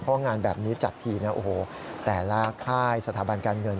เพราะว่างานแบบนี้จัดทีแต่ละค่ายสถาบันการเงิน